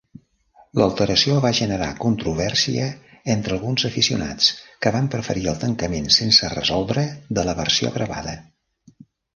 L'alteració va generar controvèrsia entre alguns aficionats que van preferir el tancament sense resoldre de la versió gravada.